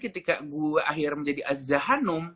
ketika gue akhirnya menjadi azza hanoum